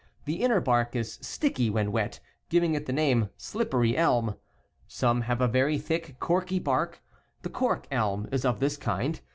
The inner bark is sticky when wet, giving it the name " slippery elm." =4'l 1 Some have a very thick, corky mkl bark The cork elm is of this kind.